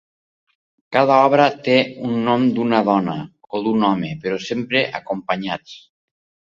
Cada obra té un nom d’una dona o d’un home, però sempre acompanyats.